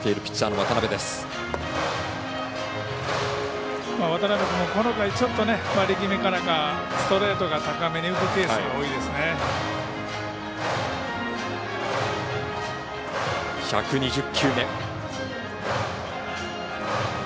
渡邊君もこの回、ちょっと力みからか、ストレートが高めに浮くケースが多いですね。